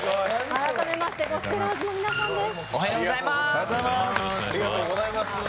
改めましてゴスペラーズの皆さんです。